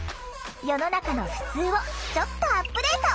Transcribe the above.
世の中のふつうをちょっとアップデート。